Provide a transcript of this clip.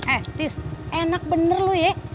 eh tis enak bener lo ya